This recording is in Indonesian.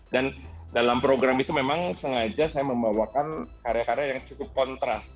dan dalam program itu memang sengaja saya membawakan karya karya yang cukup kontras